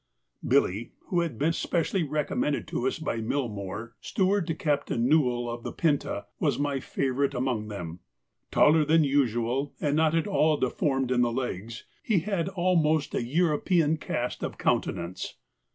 Billy, who had been specially recommended to us by Milmore, steward to Captain Newell of the 'Pinta,' was my favourite among them. Taller than usual, and not at all deformed in the legs, he had almost a European cast of countenance.